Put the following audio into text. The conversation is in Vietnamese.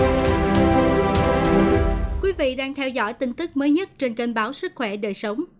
thưa quý vị đang theo dõi tin tức mới nhất trên kênh báo sức khỏe đời sống